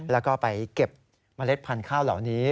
แล้วก็ไปเก็บเมล็ดพันธุ์ข้าวเหล่านี้